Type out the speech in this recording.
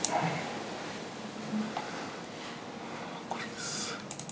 これです。